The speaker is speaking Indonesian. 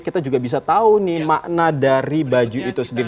kita juga bisa tahu nih makna dari baju itu sendiri